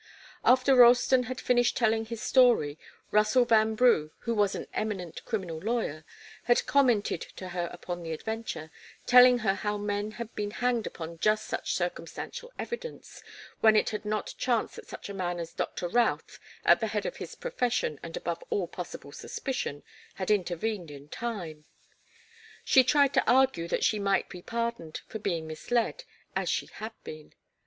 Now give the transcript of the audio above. After Ralston had finished telling his story, Russell Vanbrugh, who was an eminent criminal lawyer, had commented to her upon the adventure, telling her how men had been hanged upon just such circumstantial evidence, when it had not chanced that such a man as Doctor Routh, at the head of his profession and above all possible suspicion, had intervened in time. She tried to argue that she might be pardoned for being misled, as she had been.